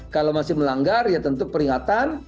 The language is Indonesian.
kalau masih melanggar ya tentu peringatan